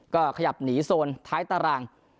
ก็ขยับหนีโซนท้ายตาราง